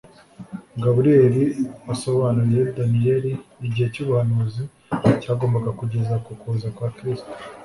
Gaburiyeli asobanuriye Daniyeli igihe cy'ubuhanuzi cyagombaga kugeza ku kuza kwa Kristo.